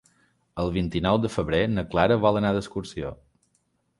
El vint-i-nou de febrer na Clara vol anar d'excursió.